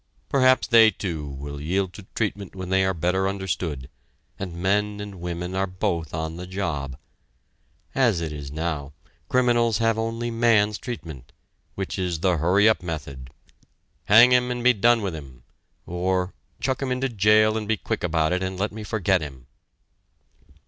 Perhaps they, too, will yield to treatment when they are better understood, and men and women are both on the job. As it is now, criminals have only man's treatment, which is the hurry up method "hang him, and be done with him," or "chuck him into jail, and be quick about it, and let me forget him."